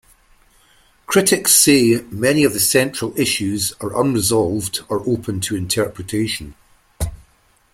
Critics say many of the central issues are unresolved or open to interpretation.